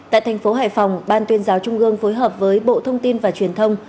tại thành phố hải phòng ban tuyên giáo trung ương phối hợp với bộ thông tin và truyền thông